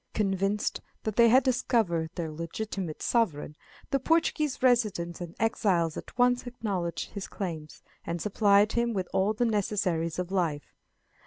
Convinced that they had discovered their legitimate sovereign, the Portuguese residents and exiles at once acknowledged his claims, and supplied him with all the necessaries of life.